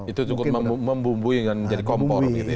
itu cukup membumbui